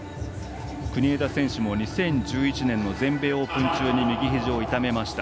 国枝選手も２０１１年の全米オープン中に右ひじを痛めました。